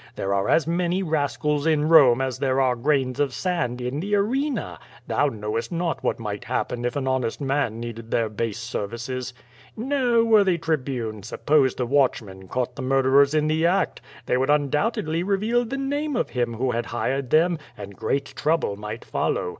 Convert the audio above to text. There are as many rascals in Bome as there are grains of sand in the Arena. Thou knowest not what might happen if an honest man needed their base ser vices. No^ worthy Tribune, suppose the watchmen caught QUO VADIS. 133 the murderers in the act? They would undoubtedly reveal the name of him who had hired them, and great trouble might follow.